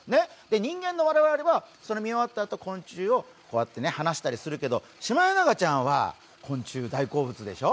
人間の我々は見終わったあと昆虫をこうやって放したりするけど、シマエナガちゃんは昆虫、大好物でしょ？